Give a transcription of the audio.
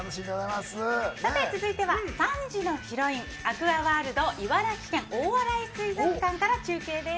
さて続いては３時のヒロインアクアワールド茨城県大洗水族館から中継です。